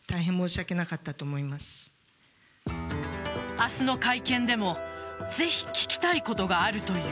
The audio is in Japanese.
明日の会見でもぜひ聞きたいことがあるという。